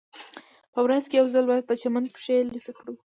په ورځ کې یو ځل باید په چمن پښې لوڅې کړو